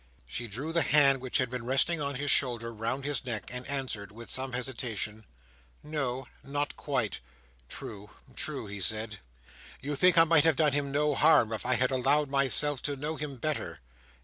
She drew the hand which had been resting on his shoulder, round his neck, and answered, with some hesitation: "No, not quite." "True, true!" he said; "you think I might have done him no harm if I had allowed myself to know him better?"